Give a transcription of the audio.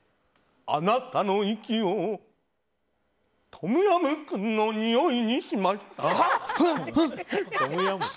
あなたの息をトムヤムクンのにおいにしました。